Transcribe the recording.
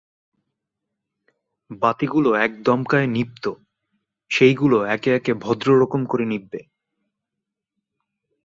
বাতিগুলো এক দমকায় নিবত, সেইগুলো একে একে ভদ্ররকম করে নিববে।